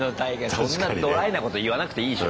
そんなドライなこと言わなくていいでしょ。